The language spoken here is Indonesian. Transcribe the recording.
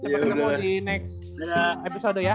sampai ketemu di next episode ya